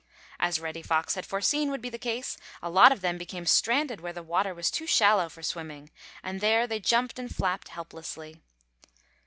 As Reddy Fox had foreseen would be the case, a lot of them became stranded where the water was too shallow for swimming, and there they jumped and flapped helplessly.